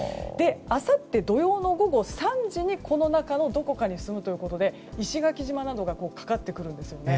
あさって、土曜の午後３時にこの中のどこかに進むということで石垣島などがかかってくるんですね。